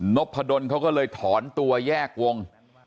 พะดนเขาก็เลยถอนตัวแยกวง